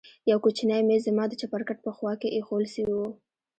يو کوچنى ميز زما د چپرکټ په خوا کښې ايښوول سوى و.